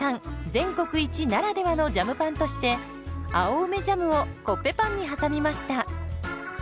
全国一ならではのジャムパンとして青梅ジャムをコッペパンに挟みました。